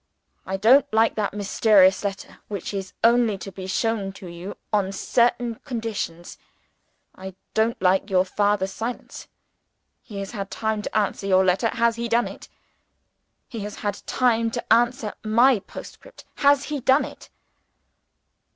I don't like that mysterious letter, which is only to be shown to you on certain conditions. I don't like your father's silence. He has had time to answer your letter. Has he done it? He has had time to answer my postscript. Has he done it?"